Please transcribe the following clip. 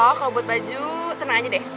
oh kalau buat baju tenang aja deh